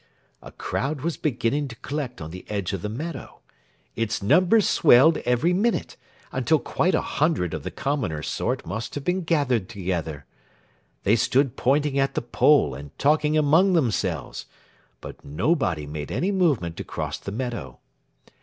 A crowd was beginning to collect on the edge of the meadow. Its numbers swelled every minute, until quite a hundred of the commoner sort must have been gathered together. They stood pointing at the pole and talking among themselves, but nobody made any movement to cross the meadow.